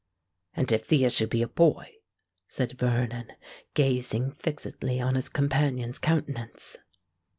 "And if the issue be a boy?" said Vernon, gazing fixedly on his companion's countenance.